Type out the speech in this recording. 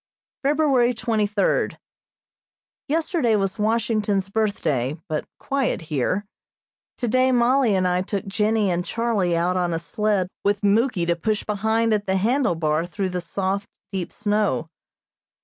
February twenty third: Yesterday was Washington's Birthday, but quiet here. Today Mollie and I took Jennie and Charlie out on a sled with Muky to push behind at the handle bar through the soft, deep snow.